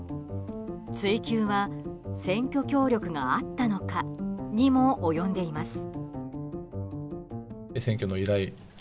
追及は選挙協力があったのかにも及んでいます。